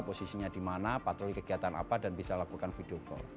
posisinya di mana patroli kegiatan apa dan bisa lakukan video call